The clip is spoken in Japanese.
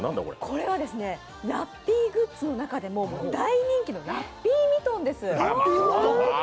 これはラッピーグッズの中でも大人気のラッピーミトンです。